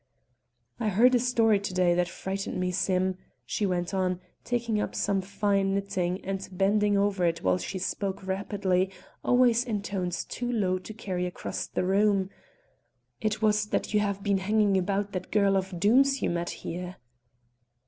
"I heard a story to day that frightened me, Sim," she went on, taking up some fine knitting and bending over it while she spoke rapidly, always in tones too low to carry across the room. "It was that you have been hanging about that girl of Doom's you met here."